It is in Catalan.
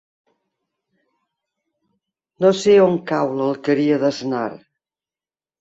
No sé on cau l'Alqueria d'Asnar.